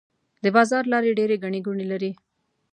د بازار لارې ډيرې ګڼې ګوڼې لري.